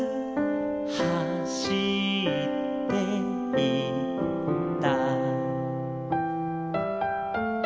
「はしっていった」